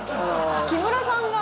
木村さんが。